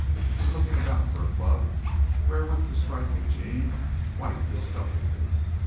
In looking about for a club wherewith to strike Eugene, White discovered this.